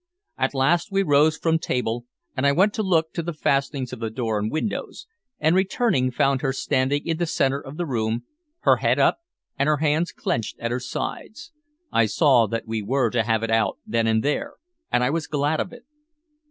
At last we rose from table, and I went to look to the fastenings of door and windows, and returning found her standing in the centre of the room, her head up and her hands clenched at her sides. I saw that we were to have it out then and there, and I was glad of it.